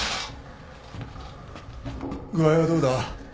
具合はどうだ？